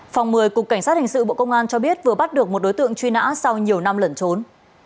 phòng một mươi cục cảnh sát hình sự bộ công an cho biết vừa bắt được một đối tượng truy nã sau nhiều năm lẩn trốn